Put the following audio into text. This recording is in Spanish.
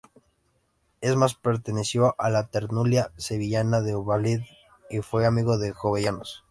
Es más, perteneció a la tertulia sevillana de Olavide y fue amigo de Jovellanos.